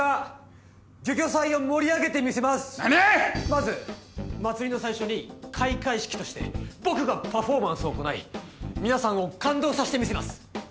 まず祭りの最初に開会式として僕がパフォーマンスを行い皆さんを感動させてみせます。